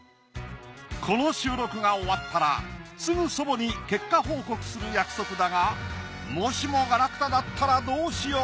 この収録が終わったらすぐ祖母に結果報告する約束だがもしもガラクタだったらどうしよう